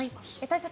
対策